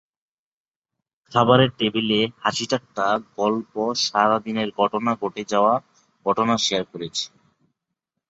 খাবারের টেবিলে হাসিঠাট্টা, গল্প, সারা দিনের ঘটে যাওয়া ঘটনা শেয়ার করেছি।